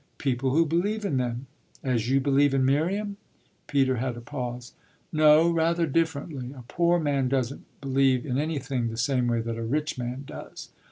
"People who believe in them." "As you believe in Miriam?" Peter had a pause. "No, rather differently. A poor man doesn't believe in anything the same way that a rich man does."